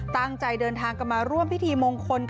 ตั้งใจเดินทางกลับมาร่วมพิธีมงคล